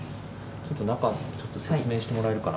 ちょっと中、説明してもらえるかな。